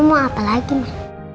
mau apa lagi mah